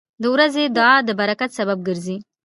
• د ورځې دعا د برکت سبب ګرځي.